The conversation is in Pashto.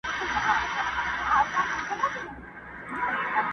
شمع چي لمبه نه سي رڼا نه وي،